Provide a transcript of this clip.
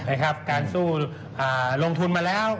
ใช่ครับการสู้ลงทุนมาแล้ว